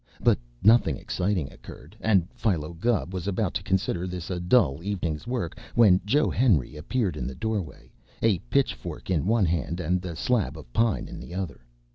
But nothing exciting occurred, and Philo Gubb was about to consider this a dull evening's work, when Joe Henry appeared in the doorway, a pitchfork in one hand and the slab of pine in the other.